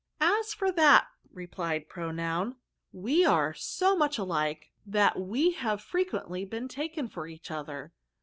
* Ajs for that,' replied Pronoun, ' we are so much alike that we have fre quently been taken for each other.